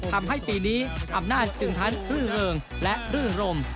ทำให้ปีนี้อำนาจจึงทั้งครึ่งเฮิงและรื่นรม